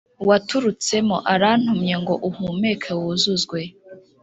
Waturutsemo arantumye ngo uhumuke wuzuzwe